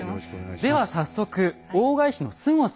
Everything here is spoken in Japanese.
では早速大返しのすごさ